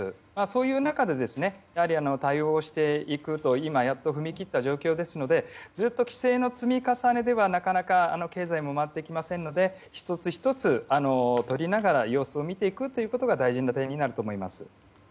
そういう中で、やはり対応していくということで今やっと踏み切った状況ですのでずっと規制の積み重ねではなかなか経済も回っていきませんので１つ１つ、とりながら様子を見ていくということが大事な点になると思います。